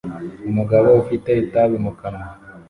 Umugabo ufite itabi mu kanwa